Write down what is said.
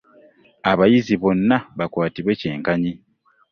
Abayizi bonna bakwatibwe kyenkanyi.